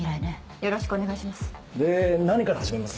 よろしくお願いします。